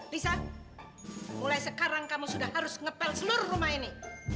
lisa mulai sekarang kamu sudah harus ngepel seluruh rumah ini